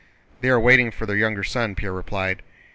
"They are waiting for their younger son," Pierre replied.